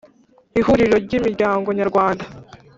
Ihuriro ry imiryango Nyarwanda